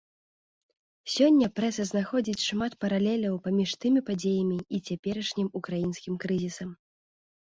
Сёння прэса знаходзіць шмат паралеляў паміж тымі падзеямі і цяперашнім украінскім крызісам.